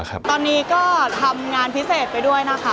ตอนนี้ก็ทำงานพิเศษไปด้วยนะคะ